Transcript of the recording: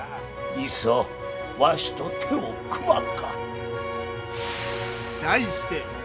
いっそわしと手を組まんか。